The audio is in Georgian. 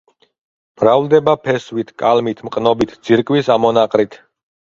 მრავლდება ფესვით, კალმით, მყნობით, ძირკვის ამონაყრით.